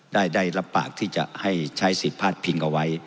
ได้รับปากที่จะให้ใช้สิทธิ์พาดพิงเอาไว้